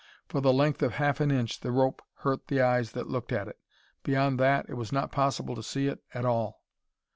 For the length of half an inch, the rope hurt the eyes that looked at it. Beyond that it was not possible to see it at all.